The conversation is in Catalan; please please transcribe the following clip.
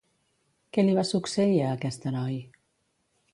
Què li va succeir a aquest heroi?